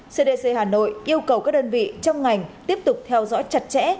cdc hà nội yêu cầu các đơn vị trong ngành tiếp tục theo dõi chặt chẽ